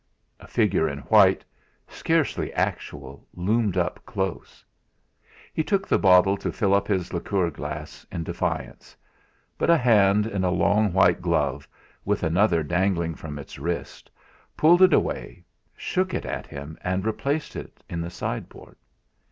A figure in white, scarcely actual, loomed up close. He took the bottle to fill up his liqueur glass, in defiance; but a hand in a long white glove, with another dangling from its wrist, pulled it away, shook it at him, and replaced it in the sideboard.